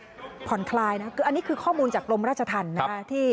ก็ผ่อนคลายนะคืออันนี้คือข้อมูลจากกรมราชธรรมนะคะ